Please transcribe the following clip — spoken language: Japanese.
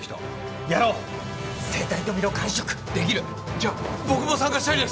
じゃあ僕も参加したいです！